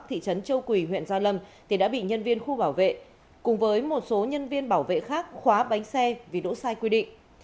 thị trấn châu quỳ huyện gia lâm thì đã bị nhân viên khu bảo vệ cùng với một số nhân viên bảo vệ khác khóa bánh xe vì đỗ sai quy định